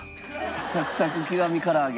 サクサク極み唐揚げ。